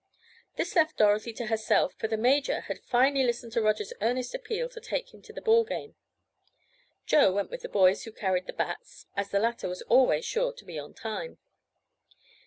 This left Dorothy to herself, for the major had finally listened to Roger's earnest appeal to take him to the ball game. Joe went with the boys who carried the bats—as the latter was always sure to be on time.